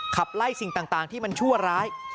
ขับไล่สิ่งต่างที่มันชั่วร้าย